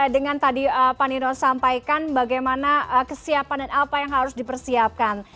dengan tadi pak nino sampaikan bagaimana kesiapan dan apa yang harus dipersiapkan